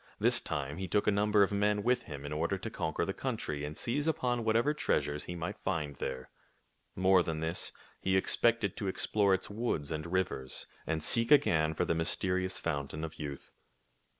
This time he took a number of men with him in order to conquer the country and seize upon whatever treasures he might find there. More than this, he expected to explore its woods and rivers and seek again for the mysterious fountain of youth.